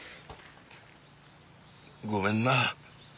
ごめんな。